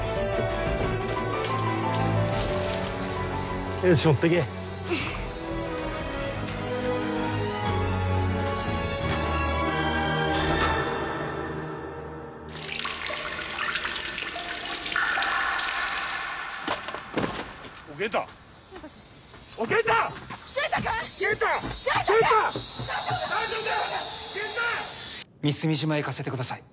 美澄島へ行かせてください。